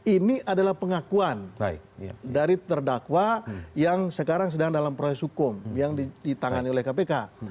ini adalah pengakuan dari terdakwa yang sekarang sedang dalam proses hukum yang ditangani oleh kpk